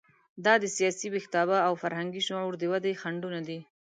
دا د سیاسي ویښتیابه او فرهنګي شعور د ودې خنډونه دي.